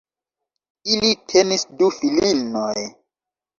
Ili tenis du filinoj.